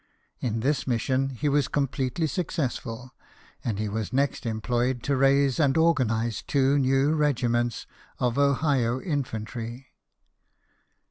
In this mission he was completely successful ; and he was next em ployed to raise and organize two new regiments of Ohio infantry.